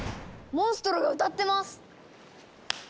モンストロが歌ってます！